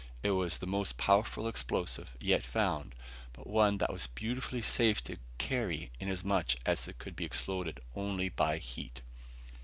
It was the most powerful explosive yet found, but one that was beautifully safe to carry inasmuch as it could be exploded only by heat.